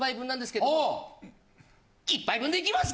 １杯分でいきます